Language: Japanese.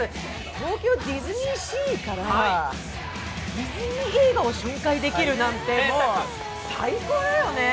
東京ディズニーシーからディズニー映画を紹介できるなんて最高だよね。